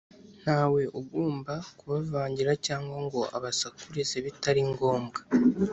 Nta we ugomba kubavangira cyangwa ngo abasakurize bitari ngombwa